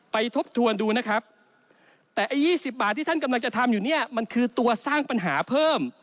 ทบทวนดูนะครับแต่ไอ้๒๐บาทที่ท่านกำลังจะทำอยู่เนี่ยมันคือตัวสร้างปัญหาเพิ่ม